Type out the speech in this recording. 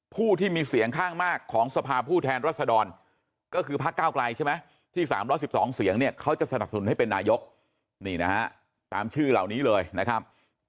ผู้ที่มีเสียงข้างมากของสภาผู้แทนรัศดรก็คือพักเก้าไกลใช่ไหมที่๓๑๒เสียงเนี่ยเขาจะสนับสนุนให้เป็นนายกนี่นะฮะตามชื่อเหล่านี้เลยนะครับ